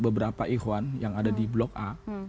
beberapa ikhwan yang ada di blok a